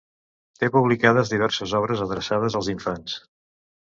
Té publicades diverses obres adreçades als infants.